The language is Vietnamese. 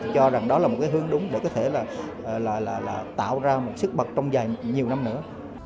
cho rằng đó là một cái hướng đúng để có thể là tạo ra một sức bật trong dài nhiều năm nữa